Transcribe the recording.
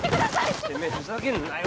ちょっとてめえふざけんなよ